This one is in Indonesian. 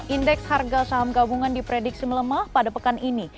indeks harga saham gabungan diprediksi melemah pada pekan ini